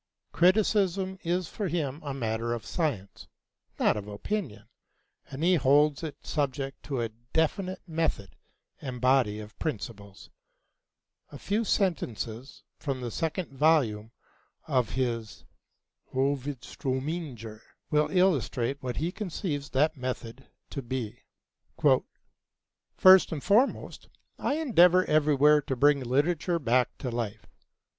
Criticism is for him a matter of science, not of opinion, and he holds it subject to a definite method and body of principles. A few sentences from the second volume of his 'Hovedströmninger' will illustrate what he conceives that method to be: "First and foremost, I endeavor everywhere to bring literature back to life.